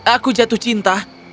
aku jatuh cinta